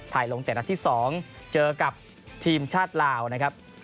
ลงเตะนัดที่๒เจอกับทีมชาติลาวนะครับ